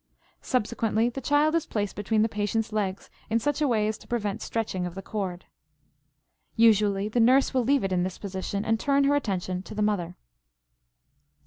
Subsequently the child is placed between the patient's legs in such a way as to prevent stretching of the cord. Usually the nurse will leave it in this position and turn her attention to the mother.